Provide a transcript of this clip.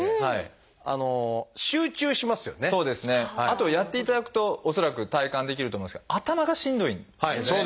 あとやっていただくと恐らく体感できると思うんですけど頭がしんどいでしょ。